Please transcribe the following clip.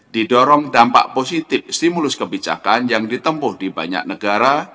didorong dampak positif stimulus kebijakan yang ditempuh di banyak negara